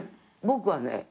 「僕はね